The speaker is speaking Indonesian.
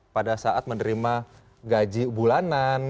pada saat menerima gaji bulanan